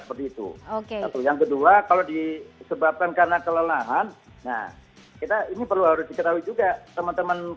seperti itu oke yang kedua kalau disebabkan karena kelelahan nah kita ini perlu harus diketahui juga teman teman